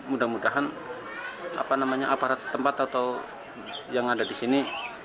mudah mudahan aparat setempat atau yang ada di sini